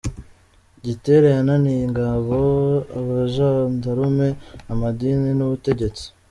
Gitera yananiye ingabo, abajandarume, amadini n’ubutegetsi?.